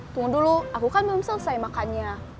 tunggu dulu aku kan belum selesai makannya